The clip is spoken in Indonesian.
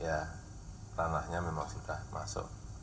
ya ranahnya memang sudah masuk